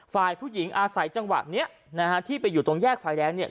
ฝ่ายผู้หญิงอาศัยจังหวะนี้ที่ไปอยู่ตรงแยกไฟแดง